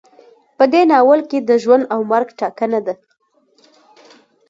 په دې ناول کې د ژوند او مرګ ټاکنه ده.